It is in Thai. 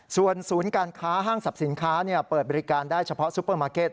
ส่วนศูนย์การค้าห้างสรรพสินค้าเปิดบริการได้เฉพาะซุปเปอร์มาร์เก็ต